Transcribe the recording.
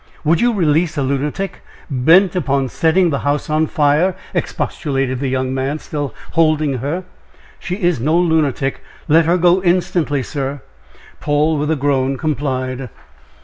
"Would you release a lunatic, bent upon setting the house on fire?" expostulated the young man, still holding her. "She is no lunatic; let her go instantly, sir." Paul, with a groan, complied.